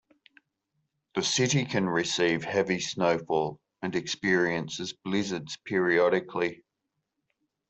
The city can receive heavy snowfall and experiences blizzards periodically.